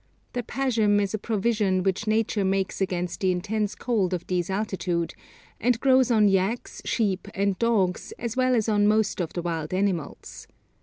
This pashm is a provision which Nature makes against the intense cold of these altitudes, and grows on yaks, sheep, and dogs, as well as on most of the wild animals.